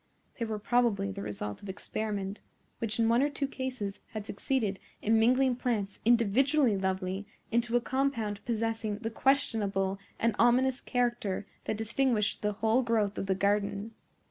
They were probably the result of experiment, which in one or two cases had succeeded in mingling plants individually lovely into a compound possessing the questionable and ominous character that distinguished the whole growth of the garden.